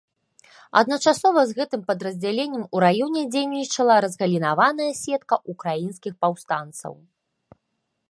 Адначасова з гэтым падраздзяленнем у раёне дзейнічала разгалінаваная сетка ўкраінскіх паўстанцаў.